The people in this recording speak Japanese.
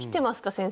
先生。